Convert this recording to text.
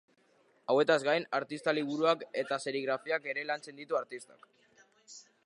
Hauetaz gain, artista liburuak eta serigrafiak ere lantzen ditu artistak.